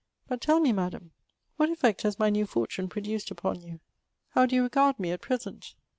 But tell me, Madam, what effect has my new fortune produced upon you ? How do you regard me at present